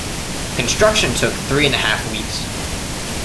Construction took three and a half weeks.